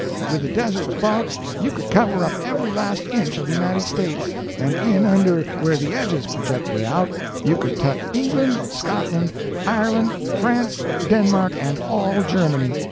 With the Desert's bulk you could cover up every last inch of the United States, and in under where the edges projected out, you could tuck England, Scotland, Ireland, France, Denmark, and all Germany.